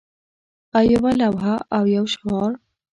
او یوه لوحه او یو شعار